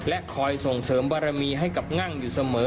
คอยส่งเสริมบารมีให้กับงั่งอยู่เสมอ